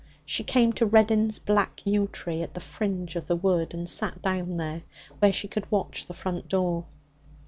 She came to Reddin's black yew tree at the fringe of the wood, and sat down there, where she could watch the front door.